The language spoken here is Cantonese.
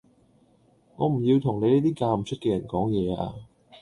我唔要同你呢啲嫁唔出嘅人講嘢呀